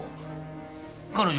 彼女